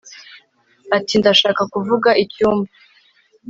ati ndashaka kuvuga icyumba